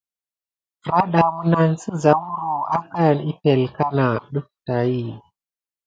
Ferada minane siza huro akana epəŋle kana def taki.